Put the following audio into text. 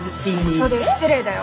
そうだよ失礼だよ。